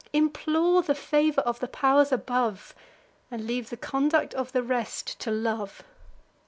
Implore the favour of the pow'rs above, And leave the conduct of the rest to love.